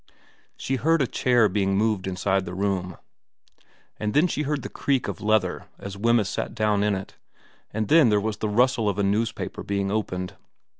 ... She heard a chair being moved inside the room, and then she heard the creak of leather as Wemyss sat down in it, and then there was the rustle of a news paper being opened.